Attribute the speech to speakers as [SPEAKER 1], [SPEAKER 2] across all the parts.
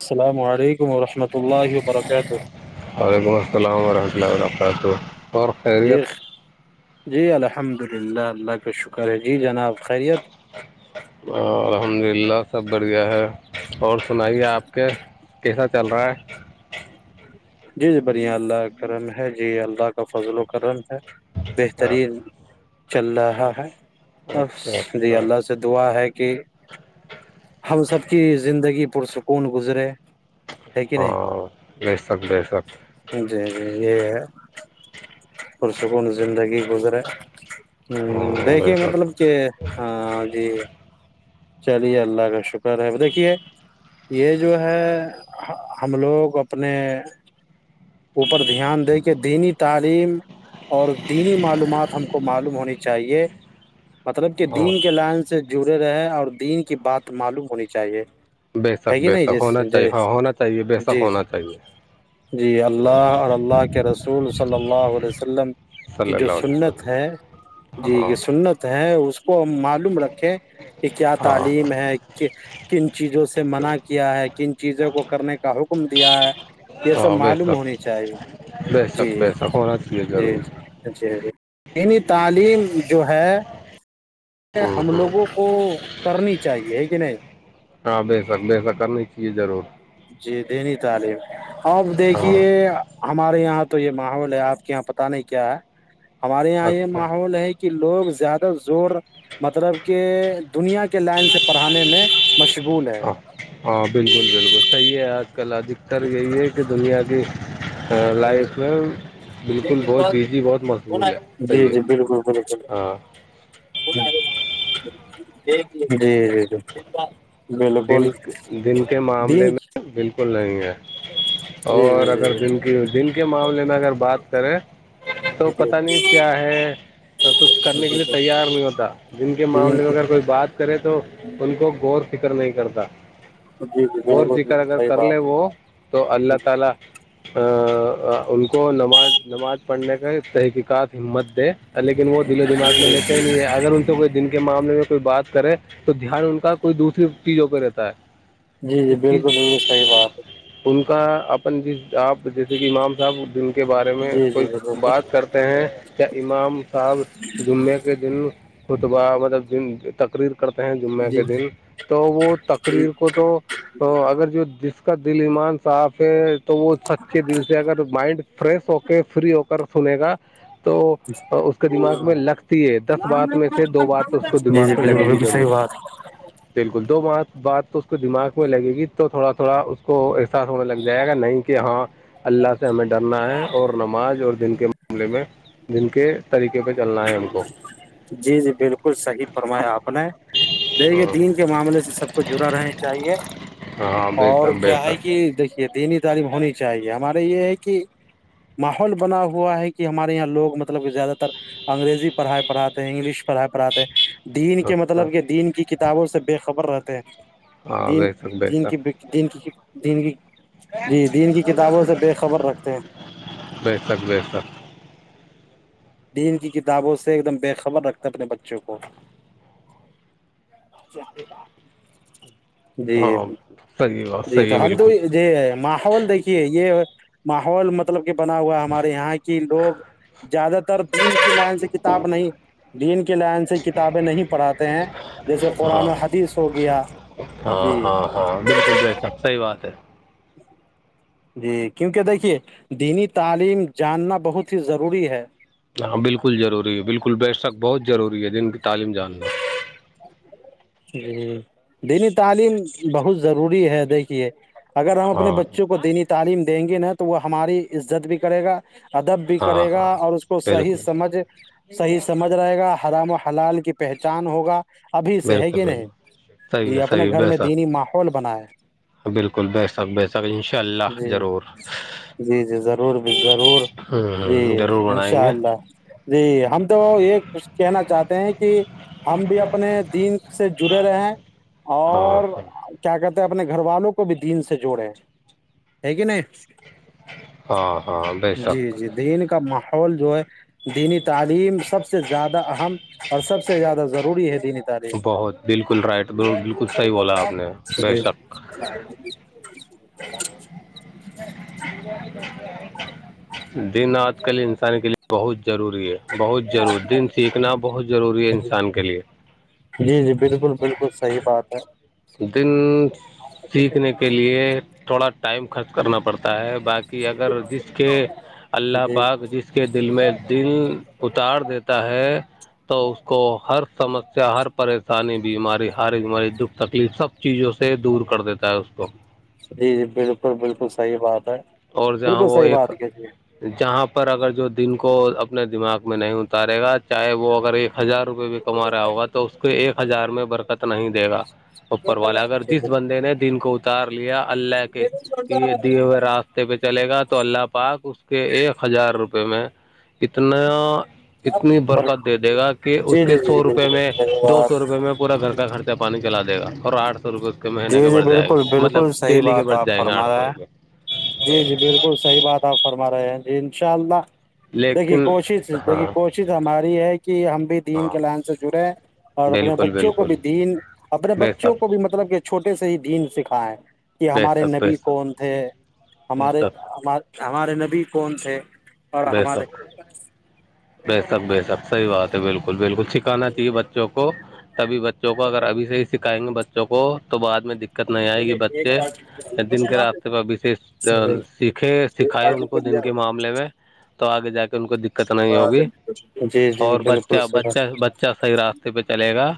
[SPEAKER 1] السلام علیکم ورحمۃ اللہ وبرکاتہ
[SPEAKER 2] میں ا پڑ تو اور
[SPEAKER 1] جی
[SPEAKER 2] خیریت
[SPEAKER 1] جی الحمد للہ اللہ کا شکر ہے جی جناب خیریت
[SPEAKER 2] الحمد للہ سب بڑھیا ہے اور سنائیے آپ کے کیسا چل رہا ہے
[SPEAKER 1] جی جی بڑھیا اللہ کرن ہے جی اللہ کا فضل و کرم ہے بہترین چل
[SPEAKER 2] اچھا
[SPEAKER 1] رہا ہے اور
[SPEAKER 2] اچھا
[SPEAKER 1] جی
[SPEAKER 2] اچھا
[SPEAKER 1] اللہ سے دعا ہے کہ ہم سب کی زندگی پ کر سکون گزرے ہے کہ نہیں
[SPEAKER 2] ہاں بے شک بے شک
[SPEAKER 1] جی جی یہ ہے پرسکون زندگی گزرے ہ
[SPEAKER 2] ہاں بے
[SPEAKER 1] دیکھیے مطلب
[SPEAKER 2] شک
[SPEAKER 1] کہ ہ جی چلیے اللہ کا شکرہ رہ ہے ب دھیے یہ جو ہے ہم لوگ اپنے پر دھیان دے کے دینی تعلیم اور دینی معلومات ہم کو معلوم ہونی چاہیے مطلب کہ
[SPEAKER 2] ہاں
[SPEAKER 1] دین کے لائن سے جڑے رہے اور دین کی بات معلوم ہونی چاہیے
[SPEAKER 2] بےسک
[SPEAKER 1] ہے کہ نہیں
[SPEAKER 2] بےسک
[SPEAKER 1] جس
[SPEAKER 2] ہونا چاہیے ہاں
[SPEAKER 1] جس
[SPEAKER 2] ہونا چاہیے
[SPEAKER 1] جی
[SPEAKER 2] بےسک
[SPEAKER 1] جی
[SPEAKER 2] ہونا چاہیے
[SPEAKER 1] جی اللہ اور اللہ کے رسول صلی اللہ علیہ وسلم کی
[SPEAKER 2] صلی
[SPEAKER 1] جو
[SPEAKER 2] اللہ علیہ
[SPEAKER 1] سنت
[SPEAKER 2] وسلم
[SPEAKER 1] ہے جی
[SPEAKER 2] ہاں
[SPEAKER 1] یہ سنت ہے اس کو معلوم رکھیں کہ کیا
[SPEAKER 2] ہاں
[SPEAKER 1] تعلیم ہے کن چیزوں سے منع کیا ہے کن چیزوں کو کرنے کا حکم کم دیا [unintelligible] سب معلوم ہونی
[SPEAKER 2] [unintelligible]
[SPEAKER 1] چاہیے
[SPEAKER 2] بے شک
[SPEAKER 1] جی
[SPEAKER 2] بے شک ہونا چاہیے
[SPEAKER 1] جی
[SPEAKER 2] ضرور
[SPEAKER 1] جی جیی یعنی تعلیم جو ہے [unintelligible]
[SPEAKER 2] ہوں
[SPEAKER 1] ہم
[SPEAKER 2] ہوں
[SPEAKER 1] لوگوں کو کرنی چاہیے پ نہیں
[SPEAKER 2] ہاں بے سک بےسک کرنی چاہیے ضرور
[SPEAKER 1] جی دینی تعلیم اپ
[SPEAKER 2] ہاں
[SPEAKER 1] دیکھیے ہمارے یہاں تو یہ ماحول ہے آپ کے یہاں پتہ نہیں کیا ہے ہمارے یہاں یہ
[SPEAKER 2] اچھا
[SPEAKER 1] ماحول ہے کہ لوگ زیادہ زور مطلب کہ دنیا کے لائن سے پڑھانے میں مشغول ہے
[SPEAKER 2] ہ ہاں بالکل بالکل ت یہ کیا کل ادھکتر یہی ہے کہ دنیا کی لائ پر ہے
[SPEAKER 1] جی
[SPEAKER 2] صحیح ہے
[SPEAKER 1] جی بالکل بالکل
[SPEAKER 2] ہاں
[SPEAKER 1] ی [unintelligible]
[SPEAKER 2] دن دن کے معاملے میں
[SPEAKER 1] جی
[SPEAKER 2] بالکل نہیں ہے
[SPEAKER 1] جی
[SPEAKER 2] اور
[SPEAKER 1] جی
[SPEAKER 2] اگر
[SPEAKER 1] جی
[SPEAKER 2] دن کی دن کے معاملے میں اگر بات کریں تو پتا نہیں کیا ہے کچھ کرنے کے لیے تیار نہیں ہوتا جن کے
[SPEAKER 1] جی جی جی جی
[SPEAKER 2] معاملے میں
[SPEAKER 1] بالکل
[SPEAKER 2] اگر کوئی بات کرے تو ان کو غور فکر نہیں کرتا غور فذکر
[SPEAKER 1] بالکل
[SPEAKER 2] اگر
[SPEAKER 1] صحیح
[SPEAKER 2] کر
[SPEAKER 1] بات
[SPEAKER 2] لے وہ تو اللہ
[SPEAKER 1] جی
[SPEAKER 2] تعالی ان کو نماز نماز پڑھنے کا تحقیق کاف ہمت دے لیکن وہ دل و دماغ میں لیتے نہیں ہے اگر ان سے کو دن کے معامل میں بات کریں تو دھیان ان کا کوئی دوسرا ففٹیوں کا رہتا ہے
[SPEAKER 1] جی جی
[SPEAKER 2] اس چیز
[SPEAKER 1] بالکل بالکل صحیح بات ہے
[SPEAKER 2] ان کا اپن جس آپ جیسے کہ امام صاحب دن کے بارے
[SPEAKER 1] ہے
[SPEAKER 2] میں
[SPEAKER 1] جی جی
[SPEAKER 2] کوئی
[SPEAKER 1] بالکل
[SPEAKER 2] بات کرتے ہیں کیا امام صاحب جمعے کے دن ختبا مطلب ج تقریر کرتے ہیں جمعہ
[SPEAKER 1] جی
[SPEAKER 2] کے دن
[SPEAKER 1] جی
[SPEAKER 2] وہ تقریر کو تو اگر جوس اس کا دل ایمان صاف ہے تو وہ سچے دل سے اگر مائنڈ فریش ہو کے فری ہو کر سنے گا تو اس کے دماغ میں لگتی ہے دس بات میں سے دو بات اس کو
[SPEAKER 1] جی
[SPEAKER 2] دماغ
[SPEAKER 1] جی
[SPEAKER 2] میں
[SPEAKER 1] بالکل
[SPEAKER 2] لگے گی
[SPEAKER 1] بالکل صحیح
[SPEAKER 2] ضرور
[SPEAKER 1] بات
[SPEAKER 2] دو ماہ بات تو اس کو دماغ میں لگے گی تو تھوڑا تھوڑا اس کو احساس ہونے لگ جائے گا نہیں کہ ہاں اللہ سے ہمیں ڈرنا ہے اور نماز اور دن کے معاملے میں دن کے طریقے پہ چلنا ہے ہم کو
[SPEAKER 1] جی جی بالکل صحی فرمایا آپ نے دیکھیے دین
[SPEAKER 2] ہاں
[SPEAKER 1] معاملے سے سب کو جڑا رہنا چاہیے
[SPEAKER 2] ہاں بے
[SPEAKER 1] اور
[SPEAKER 2] شک بے
[SPEAKER 1] کیا ہے
[SPEAKER 2] شک
[SPEAKER 1] کہ دیکھیے دینی تعلیم ہونی چاہیے ہم ہمارے یہ ہے کہ ماحول بنا ہوا ہے کہ ہمارے یہاں لوگ مطلب زیادہ تر انگریزی پڑھائی پڑھاتے ہیں انگلش پڑھائی پڑھاتے ہیں دین کے
[SPEAKER 2] اچھا
[SPEAKER 1] مطلب کہ دین کی کتابوں سے بے خبر رہ جی
[SPEAKER 2] ہاں
[SPEAKER 1] جی
[SPEAKER 2] بے شک بے شک
[SPEAKER 1] دین کی کتابوں سے بے خبر رکھتے ہیں
[SPEAKER 2] بے شک بے شک
[SPEAKER 1] دین کی کتابوں سے ایک دم بے خبر رکھتا اپنے بچوں کو جی
[SPEAKER 2] ہاں تی
[SPEAKER 1] جی تو ہم تو جی ماحول دیکھیے یہ ماحول مطلب کہ بنا ہوا ہمارے یہاں کی لوگ زیادہ تر دین کی لائن سے کتاب نہیں دین کی لائن سے کتابیں نہیں پڑھاتے ہیں جیسے قرآن
[SPEAKER 2] ہاں
[SPEAKER 1] و حدیث ہو گیا
[SPEAKER 2] ہاں
[SPEAKER 1] جی
[SPEAKER 2] ہاں ہاں بالکل ج صحیح بات ہے
[SPEAKER 1] جی کیونکہ دیکھیے دینی تعلیم جاننا بہت ہی ضروری ہے
[SPEAKER 2] ہاں بالکل ضروری ہے بالکل بے شک بہت روری ہے دن تعلیم جاننا
[SPEAKER 1] جی دینی تعلیم بہت ضروری ہے دیکھیے اگر ہم
[SPEAKER 2] ہاں
[SPEAKER 1] اپنے بچوں کو دینی تعلیم دیں گے نا تو تو وہ ہماری عزت بھی کرے گا ادب بھی
[SPEAKER 2] ہاں
[SPEAKER 1] کرے گا
[SPEAKER 2] ہاں
[SPEAKER 1] اور اس کو صحیح
[SPEAKER 2] بالکل
[SPEAKER 1] سمجھ صحیح سمجھ رہے گا ہرام و حلال کی پہچان ہوگا ابھی سے ہے
[SPEAKER 2] بالکل
[SPEAKER 1] کہ
[SPEAKER 2] بالکل
[SPEAKER 1] نہیں
[SPEAKER 2] صحیح
[SPEAKER 1] جی
[SPEAKER 2] ہے
[SPEAKER 1] اپنے
[SPEAKER 2] صحیح
[SPEAKER 1] گھر
[SPEAKER 2] بے
[SPEAKER 1] میں دینی
[SPEAKER 2] شک
[SPEAKER 1] ماحول بناائے
[SPEAKER 2] بالکل بے شک بے شک ان شاء اللہ
[SPEAKER 1] جی
[SPEAKER 2] ضرور
[SPEAKER 1] جی جی ضرور بھی ضرور
[SPEAKER 2] ہ
[SPEAKER 1] جی
[SPEAKER 2] ضرور بنائیں
[SPEAKER 1] انشاء
[SPEAKER 2] گے
[SPEAKER 1] اللہ جی ہم تو یہ کچھ کہنا چاہتے ہیں کہ ہم بھی
[SPEAKER 2] [inaudible]
[SPEAKER 1] اپنے دین سے جڑے رہے
[SPEAKER 2] ہاں
[SPEAKER 1] اور کیا کہتے ہیں اپنے گھر والوں کو بھی دین سے جوڑے ہے کہ نہیں
[SPEAKER 2] ہاں ہاں بے شک
[SPEAKER 1] جی جی دین کا ماحول اول جو ہے دینی تعلیم سب سے زیادہ اہم اور سب سے زیادہ ضروری ہے دینی تعلیم
[SPEAKER 2] بہت بالکل رائٹ بالکل صحیح بولا اپ نے بے
[SPEAKER 1] جی
[SPEAKER 2] شک [inaudible] کل انسان کے لیے بہت ضروری ہے بہت ضروری دین سیکھنا بہت ضروری ہے
[SPEAKER 1] جی
[SPEAKER 2] انسان کے لیے
[SPEAKER 1] جی جی بالکل بالکل صحیح بات ہے
[SPEAKER 2] دین سیکھنے کے لیے تھوڑا ٹائم خرچ کرنا پڑتا ہے باقی اگر جس کے اللہ
[SPEAKER 1] جی
[SPEAKER 2] پاک جس کے دل میں دل اتار دیتا ہے تو اس کو ہر سمسیا ہر پریشانی بیماری ہر بیماری دکھ تکلیف سب چیزوں سے دور کر دیتا ہے اس کو
[SPEAKER 1] جی جی بالکل بالکل صحیح بات
[SPEAKER 2] اور جہاں
[SPEAKER 1] بالکل
[SPEAKER 2] وہ
[SPEAKER 1] صحیح بات
[SPEAKER 2] ایک
[SPEAKER 1] ہی
[SPEAKER 2] جہاں پر اگر جو دن کو اپنے دماغ میں نہیں اتارے گا چاہے وہ اگر ایک ہزار روپئے بھی کما رہا ہوگا تو اس کو ایک ہزار میں برکت نہیں دے گا اپر والا اگر
[SPEAKER 1] جی
[SPEAKER 2] جس بندے نے دن کو تار لیا اللہ کے کہ یہ دی ہوئی راست پہ چلے گا تو اللہ پاک کے ایک ہزار روپئے میں اتنا اتنی برکت دے دے گا کہ اس
[SPEAKER 1] جی
[SPEAKER 2] کے
[SPEAKER 1] جی جی
[SPEAKER 2] سو روپئے
[SPEAKER 1] بالکل
[SPEAKER 2] میں
[SPEAKER 1] صحیح
[SPEAKER 2] دو
[SPEAKER 1] بات
[SPEAKER 2] سو روپئے میں پورا گھر کا خرچہ پانی چلاے گا اور آٹھ سو روپئے مہینے کے
[SPEAKER 1] جی جی
[SPEAKER 2] بڑھ جائے گے
[SPEAKER 1] بالکل
[SPEAKER 2] مطلب
[SPEAKER 1] بالکل صحیح
[SPEAKER 2] ڈیلی کے
[SPEAKER 1] بات
[SPEAKER 2] بڑھ
[SPEAKER 1] آپ
[SPEAKER 2] جائیں گے
[SPEAKER 1] فرما
[SPEAKER 2] آٹھ سو
[SPEAKER 1] رہے
[SPEAKER 2] روپئے
[SPEAKER 1] ہیں جی جی بالکل صحی بات آپ فرما رہے ہیں انشاء اللہ دیکھیے
[SPEAKER 2] لیکن
[SPEAKER 1] کوشش دیکھیے
[SPEAKER 2] ہاں
[SPEAKER 1] کوشش ہماری ہے کہ ہم بھی دین
[SPEAKER 2] ہاں
[SPEAKER 1] کے لائن سے جڑے اور اپنے
[SPEAKER 2] بالکل
[SPEAKER 1] بچوں کو
[SPEAKER 2] بالکل
[SPEAKER 1] بھی دین اپنے
[SPEAKER 2] بے
[SPEAKER 1] بچوں کو
[SPEAKER 2] شک
[SPEAKER 1] بھی مطلب کہ چھوٹے سے ہی دین سکھا ہے کہ
[SPEAKER 2] بے
[SPEAKER 1] ہمارے
[SPEAKER 2] شک بے
[SPEAKER 1] نبی کون تھے
[SPEAKER 2] شک بے
[SPEAKER 1] ہمارے
[SPEAKER 2] شک
[SPEAKER 1] ہمار ہمارے نبی کون تھے اور
[SPEAKER 2] بے
[SPEAKER 1] ہمارے
[SPEAKER 2] سک بے سک بے سک صحی بات ہے بالکل بالکل ا چاہے بچوں کو [unintelligible] تبھی بچوں کو اگر ابھی سے ہی سکھائیں گے ب چ کوو تو بعد میں د دقت نہیں آئے گی بچے یا دن کے راستے پرہبشی سیکھے سکھائے ان کو دن کے معاملے میں تو آگے جا کے ان کو دقت نہیں ہوگی
[SPEAKER 1] جی جی
[SPEAKER 2] اور
[SPEAKER 1] بالکل
[SPEAKER 2] بچہ
[SPEAKER 1] صحیح
[SPEAKER 2] بچہ بچہ صحیح راستے پہ چلے گا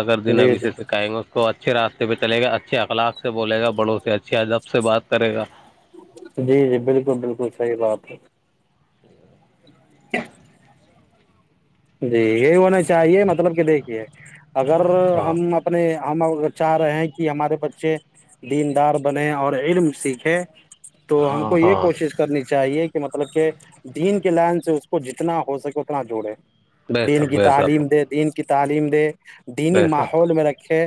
[SPEAKER 2] اگر
[SPEAKER 1] جی
[SPEAKER 2] دن ابھی
[SPEAKER 1] جی
[SPEAKER 2] سے سکھائیں گے اس کو اچھا اچھے راتے پہلے گا اچھ اخلاق سے بولے گا بڑو سے اچھے ا جب سے بات کرے گا
[SPEAKER 1] جی جی بالکل بالکل صحیح بات ہے [inaudible] جی یہ ہون چاہیے مطلب کہ دیکھیے اگر
[SPEAKER 2] ہاں
[SPEAKER 1] ہم اپنے ہم چاہ رہے ہیں کہ ہمارے بچے دیندار بنے اور علم سیکھے تو ہم
[SPEAKER 2] ہاں
[SPEAKER 1] کو یہ
[SPEAKER 2] ہاں
[SPEAKER 1] کوشش کرنی چاہیے کہ مطلب کہ دین کے لائن سے اس کو جتنا ہو سکےتنا جوڑے دین
[SPEAKER 2] بیسک
[SPEAKER 1] کی
[SPEAKER 2] بیسک
[SPEAKER 1] تعلیم دے دین کی تعلیم دے دینی
[SPEAKER 2] بیسک
[SPEAKER 1] ماحول میں رکھے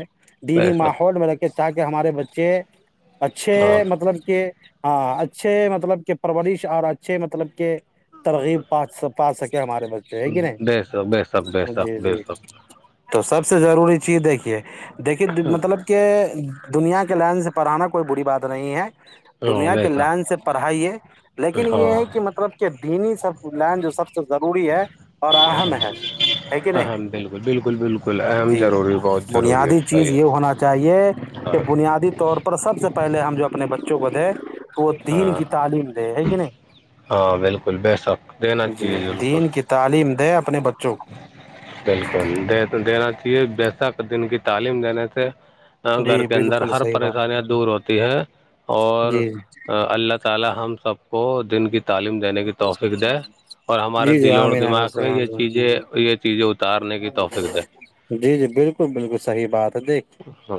[SPEAKER 1] دینی
[SPEAKER 2] بیسک
[SPEAKER 1] ماحول میں رکھے تاکہ کہ ہمارے بچے اچھے
[SPEAKER 2] ہاں
[SPEAKER 1] مطلب کہ ہاں اچھے مطلب کہ پرورش اور اچھے مطلب کہ ترغیب پا پا سکے ہمارے بچے ہے کہ نا
[SPEAKER 2] بیسک بیسک
[SPEAKER 1] جی
[SPEAKER 2] بیسک
[SPEAKER 1] جی
[SPEAKER 2] بیسک
[SPEAKER 1] تو سب سے ضروری چیز دیکھیے دیکھیے مطلب کہ دنیا کے لائن سے پڑھانا کوئی بری بات نہیں ہے
[SPEAKER 2] ہاں
[SPEAKER 1] دنیا کے لائن سے
[SPEAKER 2] بیسک
[SPEAKER 1] پڑھائی ہے لیکن یہ
[SPEAKER 2] ہاں
[SPEAKER 1] ہے کہ مطلب کہ دینی سب اینڈ جو سب تو ضروری ہے اہم ہے ہے کہ نہیں
[SPEAKER 2] اہم بالکل بالکل بالکل اہم
[SPEAKER 1] جی
[SPEAKER 2] ضروری بہت ضروری ہے
[SPEAKER 1] بنیادی چیز یہ
[SPEAKER 2] صحیح
[SPEAKER 1] ہونا چاہیے
[SPEAKER 2] ہاں
[SPEAKER 1] کہ بنیادی طور پر سب سے پہلے ہم جو اپنے بچوں کو [unintelligible] وہ دین
[SPEAKER 2] ہاں
[SPEAKER 1] کی تعلیم دے ہے کہ نہیں
[SPEAKER 2] ہاں بالکل بے شک دینا
[SPEAKER 1] جی دین کی تعلیم د یں اپنے بچے
[SPEAKER 2] [unintelligible] بسک دن کی تعلیم دینے سے گھر
[SPEAKER 1] جی
[SPEAKER 2] کے اندر
[SPEAKER 1] بالکل
[SPEAKER 2] ہر
[SPEAKER 1] صحیح بات
[SPEAKER 2] پریشانیاں دور ہوتی ہیں اور
[SPEAKER 1] جی
[SPEAKER 2] اللہ تالا ہم سب کو دن کی تعلیم دینے کی توفیق دے اور ہمارے
[SPEAKER 1] جی جی
[SPEAKER 2] دل
[SPEAKER 1] ہاں
[SPEAKER 2] اور
[SPEAKER 1] میرا
[SPEAKER 2] دماغ میں یہ چیز دے ہاں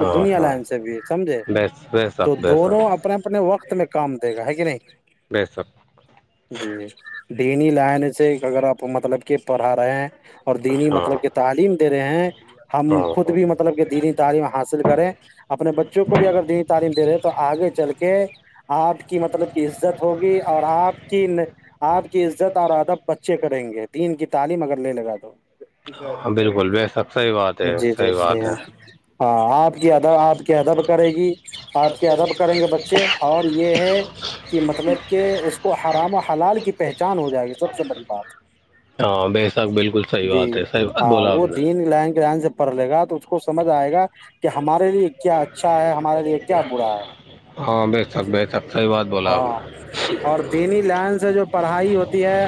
[SPEAKER 2] ہاں ہاں بس بے شک بے شک
[SPEAKER 1] دونوں اپنے اپنے وقت میں کام دے گا ہے کہ نہیں
[SPEAKER 2] بے شک
[SPEAKER 1] [unintelligible] دینی لائن سے اگر آپ مطلب کہ پڑھا رہے ہیں اور دینی
[SPEAKER 2] ہاں
[SPEAKER 1] مطلب کہ تعلیم دے رہے ہیں ہم
[SPEAKER 2] ہاں
[SPEAKER 1] خود بھی مطلب کہ دینی تعلیم حاصل کریں اپنے بچوں کو بھی اگر دینی تعلیم دے رہے تو آگے چل کے آپ کی مطلب کی عزت ہوگی اور آپ کی آپ کی عزت اور ادب بچے کریں گے دین کی تعلیم اگر لے لے گا تو
[SPEAKER 2] ہاں بالکل بے شک صحیح بات ہے
[SPEAKER 1] جی جی صحیح
[SPEAKER 2] بات
[SPEAKER 1] ہے ہاں آپ کی ادب آپ کی ادب کرے گی آپ
[SPEAKER 2] ہاں
[SPEAKER 1] کے ادب کریں گے بچے اور یہ ہے کہ مطلب کہ اس کو حرام و حلال کی پہچان ہو جائے گی سب سے بڑی بات
[SPEAKER 2] بساخ بالکل صحی
[SPEAKER 1] جی
[SPEAKER 2] بات ہے سحیح بات بولا آپ نے
[SPEAKER 1] پ لےا تو [unintelligible] کو سمجھ آئے گا کہ ہاں ہمارے لیے کیا اچھا ہے ہمارے لیے کیا تھڑا
[SPEAKER 2] ہاں بے تک بہ تک صحی بات بولا آپ
[SPEAKER 1] ہاں اور دینی لائن سے جو پڑھائی ہوتی ہے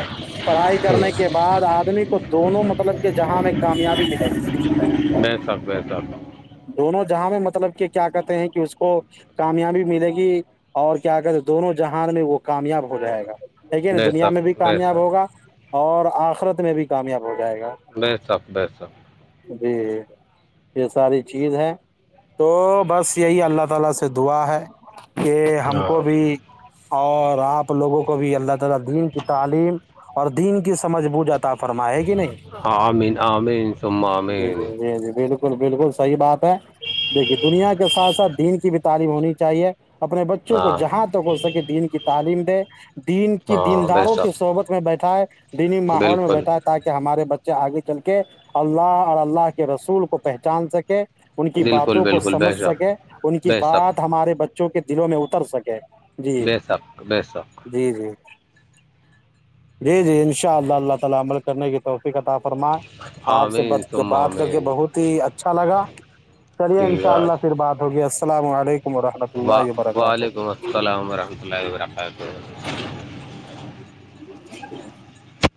[SPEAKER 1] پڑھائی کرنے کے بعد آدمی کو دونوں مطلب کے جہاں میں کامیابی ملےی
[SPEAKER 2] نے بے شک بے شک
[SPEAKER 1] دونوں جہاں میں مطلب کہ کیا کہتے ہیں کہ اس کو کامیابی ملے گی اور کیا کہتے ہیں دونوں جہان میں وہ کامیاب ہو جائے گا ٹھیک ہے نا
[SPEAKER 2] بے
[SPEAKER 1] دنیا میں بھی
[SPEAKER 2] شک بے
[SPEAKER 1] کامیاب
[SPEAKER 2] شک
[SPEAKER 1] ہوگا اور آخرت میں بھی کامیاب ہو جائے گا جی
[SPEAKER 2] [unintelligible]
[SPEAKER 1] ج یہ ساری [unintelligible]
[SPEAKER 2] ہاں ہاں آمین آمین ثم آمین
[SPEAKER 1] [unintelligible] بالل بالکل صحیح بات ہے دیکھیے دنیا کے ساتھ ساتھ دین کی بھی تعلیم ہونی چاہیے اپنے بچوں کو
[SPEAKER 2] ہاں
[SPEAKER 1] جہاں تک ہو سکے دن کی تعلیم [unintelligible] دین کی
[SPEAKER 2] ہاں بے
[SPEAKER 1] دینداروں کی
[SPEAKER 2] شک
[SPEAKER 1] صحبت میں بیٹھائے دینی ماحول میں
[SPEAKER 2] بالکل
[SPEAKER 1] بیٹھائے تاکہ ہمارے بچے آگے چل کے اللہ اور اللہ کے رسول کو پہچان سک کر [unintelligible] ان کی
[SPEAKER 2] بالکل
[SPEAKER 1] باتوں کو
[SPEAKER 2] بالکل بے
[SPEAKER 1] سمجھ
[SPEAKER 2] شک
[SPEAKER 1] سکے ان کی
[SPEAKER 2] بے شک
[SPEAKER 1] بات ہمارے بچے بچوں کے دلوں میں اتر سکے جی
[SPEAKER 2] ب سک ب شخ
[SPEAKER 1] جی جی جی جی ان شاء اللہ اللہ تعالی عمل کرنے کے کط فرما آپ سے
[SPEAKER 2] آمین
[SPEAKER 1] ب
[SPEAKER 2] ثم
[SPEAKER 1] بات کر کے
[SPEAKER 2] آمین
[SPEAKER 1] بہت ہی اچھا لگا چلیے ان شاء اللہ پھر بات ہو گیا السلام علیکم ورحمۃ
[SPEAKER 2] و
[SPEAKER 1] اللہ وبرکاتہ
[SPEAKER 2] وعلیکم السلام ورحمۃ اللہ ورکاتہ
[SPEAKER 1] [inaudible] [inaudible]